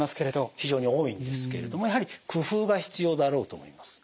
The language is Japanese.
非常に多いんですけれどもやはり工夫が必要だろうと思います。